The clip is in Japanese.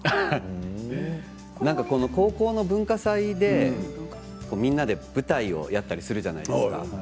高校の文化祭でみんなで舞台をやったりするじゃないですか。